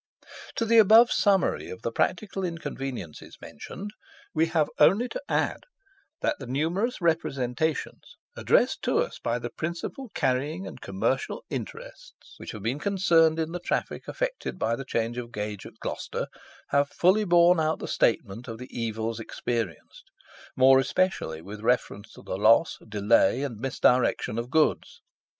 To the above summary of the practical inconveniences mentioned, we have only to add, that the numerous representations addressed to us by the principal carrying and commercial interests which have been concerned in the traffic affected by the change of gauge at Gloucester, have fully borne out the statement of the evils experienced, more especially with reference to the loss, delay, and misdirection of goods.